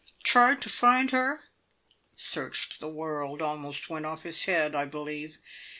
"Tried to find her? Searched the world! Almost went off his head, I believe.